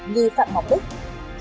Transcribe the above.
nghi phạm mong đích